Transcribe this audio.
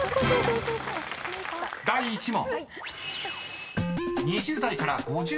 ［第１問］